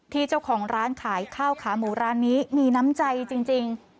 เจ้าของร้านขายข้าวขาหมูร้านนี้มีน้ำใจจริง